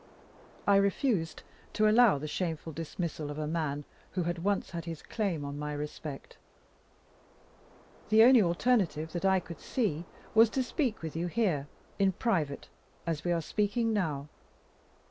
I refused to allow the shameful dismissal of a man who had once had his claim on my respect. The only alternative that I could see was to speak with you here, in private, as we are speaking now.